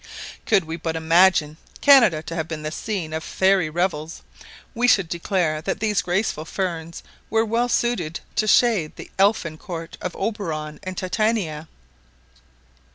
Could we but imagine Canada to have been the scene of fairy revels, we should declare that these graceful ferns were well suited to shade the elfin court of Oberon and Titania.